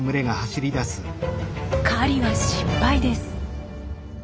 狩りは失敗です。